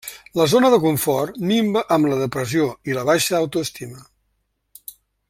La zona de confort minva amb la depressió i la baixa autoestima.